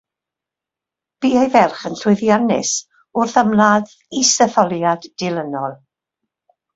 Bu ei ferch yn llwyddiannus wrth ymladd yr isetholiad dilynol.